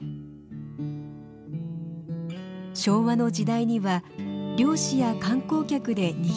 昭和の時代には漁師や観光客でにぎわっていました。